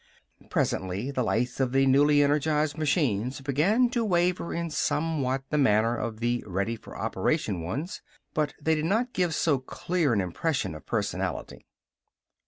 Presently the lights of the newly energized machines began to waver in somewhat the manner of the ready for operation ones. But they did not give so clear an impression of personality.